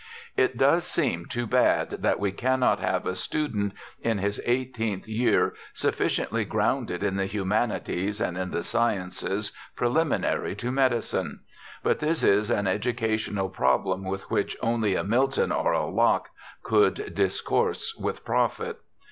It does seem too bad that we cannot have a student in his eighteenth year sufficiently grounded in the humanities and in the sciences preliminary to medicine but this is an educational problem upon which only a Milton or a Locke could discourse with profit.